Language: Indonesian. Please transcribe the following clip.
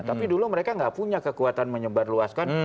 tapi dulu mereka nggak punya kekuatan menyebarluaskan